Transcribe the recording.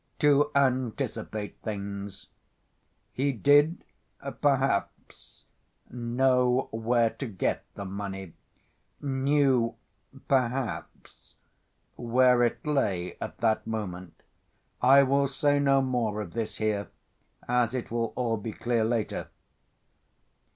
To anticipate things: he did, perhaps, know where to get the money, knew, perhaps, where it lay at that moment. I will say no more of this here, as it will all be clear later.